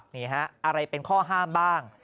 นี่ฮะอะไรเป็นข้อห้ามบ้าง